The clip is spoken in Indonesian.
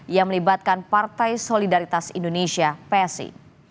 yang melibatkan partai solidaritas indonesia psi